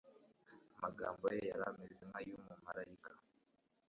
Amagambo ye yari ameze nkay'umumarayika.